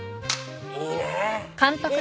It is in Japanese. いいね。